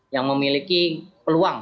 yang memiliki peluang